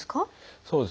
そうですね。